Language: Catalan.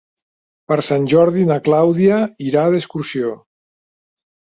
Per Sant Jordi na Clàudia irà d'excursió.